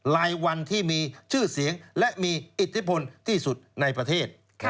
รายวันที่มีชื่อเสียงและมีอิทธิพลที่สุดในประเทศ